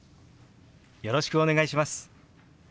よろしくお願いします。